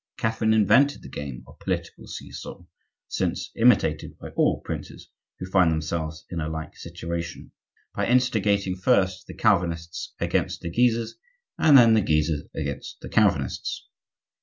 Catherine invented the game of political see saw (since imitated by all princes who find themselves in a like situation), by instigating, first the Calvinists against the Guises, and then the Guises against the Calvinists.